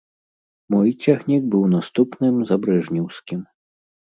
Мой цягнік быў наступным за брэжнеўскім.